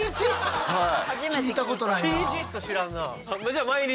聞いたことないな。